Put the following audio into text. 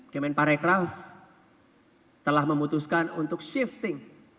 kemenparekraf telah memutuskan untuk shifting